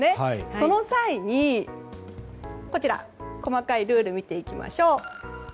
その際に、細かいルールを見ていきましょう。